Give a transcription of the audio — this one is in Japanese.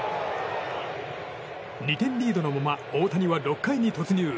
２点リードのまま大谷は６回に突入。